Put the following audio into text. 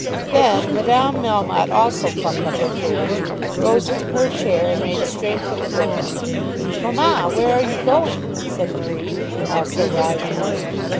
Then Madame Melmotte also plucked up her courage, rose from her chair, and made straight for the door. "Mamma, where are you going?" said Marie, also rising.